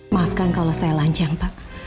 maafkan kalau saya lanjang pak